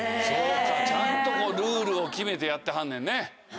そうかちゃんとルールを決めてやってはんねんね。